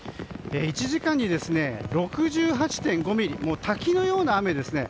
１時間に６８．５ミリ滝のような雨ですね。